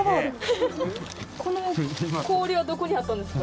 この氷はどこにあったんですか？